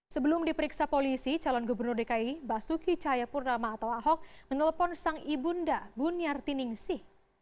sebelum diperiksa polisi calon gubernur dki basuki cahayapurnama atau ahok menelpon sang ibunda buniarti ningsih